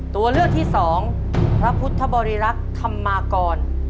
ตัวเลือกที่สองพระพุทธบริรักษ์ธรรมากร